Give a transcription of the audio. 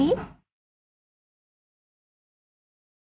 mak benar benar gak tahu apa yang kamu lihat dari sobri